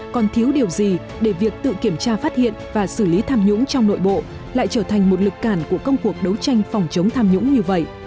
còn thiếu điều gì để việc tự kiểm tra phát hiện và xử lý tham nhũng trong nội bộ lại trở thành một lực cản của công cuộc đấu tranh phòng chống tham nhũng như vậy